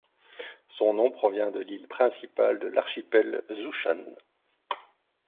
Son nom provient de l'île principale de l'archipel, Zhoushan.